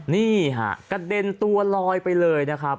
นี่ฮะกระเด็นตัวลอยไปเลยนะครับ